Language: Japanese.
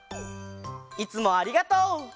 いつもありがとう！